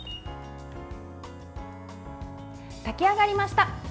炊き上がりました。